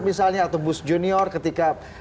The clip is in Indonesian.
misalnya atau bus junior ketika